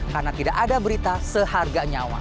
karena tidak ada berita seharga nyawa